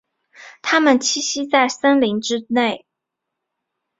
它们栖息在森林之内。